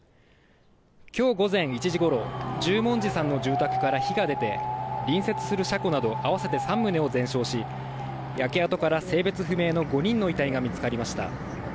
今日午前１時ごろ、十文字さんの住宅から火が出て、隣接する車庫などあわせて３棟を全焼し、焼け跡から性別不明の５人の遺体が見つかりました。